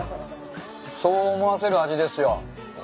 そう思わせる味ですよ。